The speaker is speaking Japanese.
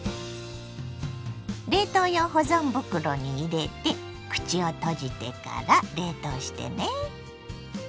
冷凍用保存袋に入れて口を閉じてから冷凍してね。